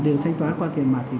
đều thanh toán qua tiền mặt